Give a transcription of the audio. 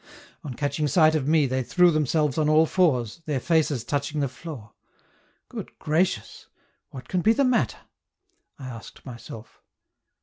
On catching sight of me they threw themselves on all fours, their faces touching the floor. Good gracious! What can be the matter? I asked myself.